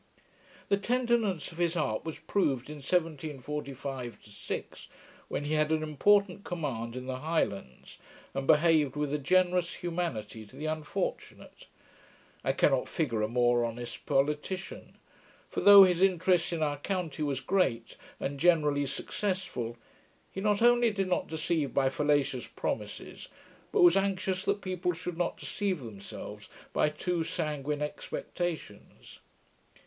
The tenderness of his heart was proved in 1745 6, when he had an important command in the Highlands, and behaved with a generous humanity to the unfortunate. I cannot figure a more honest politician; for, though his interest in our county was great, and generally successful, he not only did not deceive by fallacious promises, but was anxious that people should not deceive themselves by too sanguine expectations.